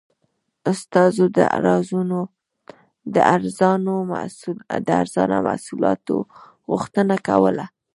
استازو د ارزانه محصولاتو غوښتنه کوله.